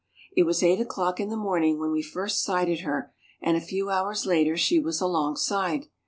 It was eight o 'clock in the morning when we first sighted her, and a few hours later she was alongside.